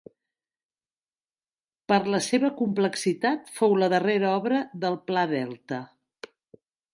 Per la seva complexitat fou la darrera obra del Pla Delta.